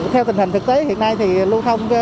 theo tình hình thực tế hiện nay thì lưu thông